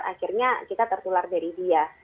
akhirnya kita tertular dari dia